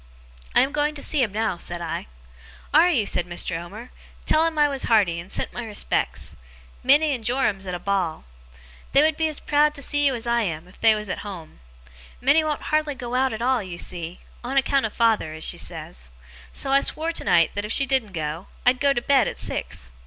'I am going to see him now,' said I. 'Are you?' said Mr. Omer. 'Tell him I was hearty, and sent my respects. Minnie and Joram's at a ball. They would be as proud to see you as I am, if they was at home. Minnie won't hardly go out at all, you see, "on account of father", as she says. So I swore tonight, that if she didn't go, I'd go to bed at six.